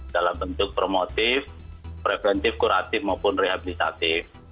dalam bentuk promotif preventif kuratif maupun rehabilitasi